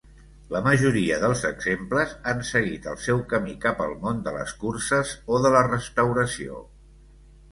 La majoria dels exemples han seguit el seu camí cap al món de les curses o de la restauració.